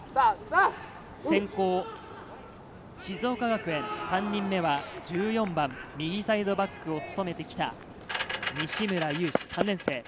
先攻、静岡学園３人目は１４番・右サイドバックを務めてきた西村湧志・３年生。